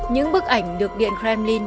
những bức ảnh được điện kremlin